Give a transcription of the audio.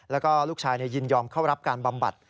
แล้วก็ลูกชายยินยอมเข้ารับการบำบัด